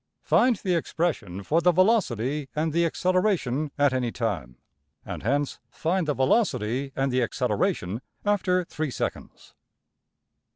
\] Find the expression for the velocity and the acceleration at any time; and hence find the velocity and the acceleration after $3$~seconds.